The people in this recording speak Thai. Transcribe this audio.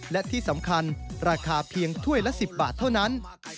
และที่สำคัญราคาเพียงถ้วยละ๑๐บาทเท่านั้น